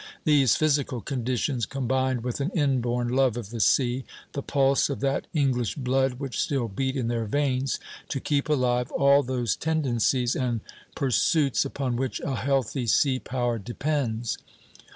These physical conditions combined with an inborn love of the sea, the pulse of that English blood which still beat in their veins, to keep alive all those tendencies and pursuits upon which a healthy sea power depends.